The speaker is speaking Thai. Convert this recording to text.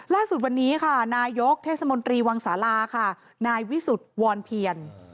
ล่าสุดวันนี้ค่ะนายกเทศมนตรีวังศาลาค่ะนายวิสุทธิ์วรเพียร